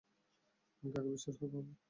কাকে বিশ্বাস করব আমি?